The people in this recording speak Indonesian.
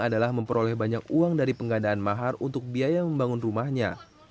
adalah memperoleh banyak uang dari penggandaan mahar untuk biaya membangun rumahnya